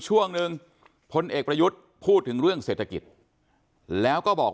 ช่วงหนึ่งพลเอกประยุทธ์พูดถึงเรื่องเศรษฐกิจแล้วก็บอก